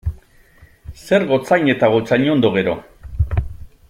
Zer gotzain eta gotzainondo, gero?